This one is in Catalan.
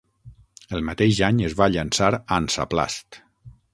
El mateix any es va llançar Hansaplast.